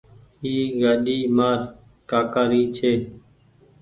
اي گآڏي مآر ڪآڪآ ري ڇي